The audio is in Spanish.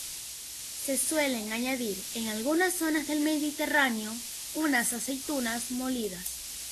Se suelen añadir en algunas zonas del Mediterráneo unas aceitunas molidas.